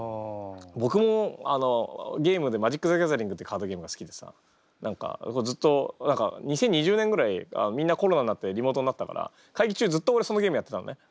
僕もゲームで「マジック：ザ・ギャザリング」ってカードゲームが好きでさ何かずっと２０２０年ぐらいみんなコロナになってリモートになったから会議中ずっと俺そのゲームやってたのね。